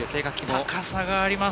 高さがあります。